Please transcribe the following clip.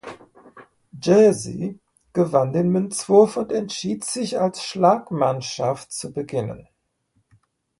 Jersey gewann den Münzwurf und entschied sich als Schlagmannschaft zu beginnen.